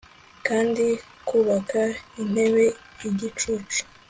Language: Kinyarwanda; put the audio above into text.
kandi bubaka intebe igicucu ...